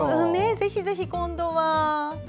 ぜひぜひ今度は。